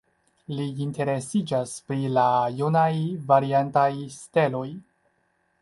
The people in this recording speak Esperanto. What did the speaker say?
Li interesiĝas pri la junaj variantaj steloj.